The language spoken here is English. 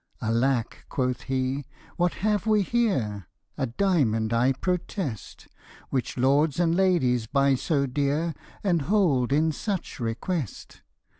" Alack !" quoth he, <' what have we herr ? A diamond, I protest ! Which lords and ladies buy so dear, And hold in such request.